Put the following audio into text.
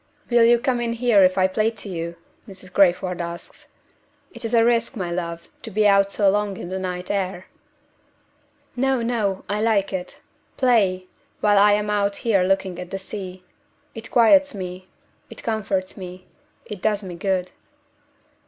"Will you come in here if I play to you?" Mrs. Crayford asks. "It is a risk, my love, to be out so long in the night air." "No! no! I like it. Play while I am out here looking at the sea. It quiets me; it comforts me; it does me good."